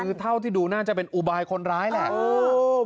คือเท่าที่ดูน่าจะเป็นอุบายคนร้ายแหละ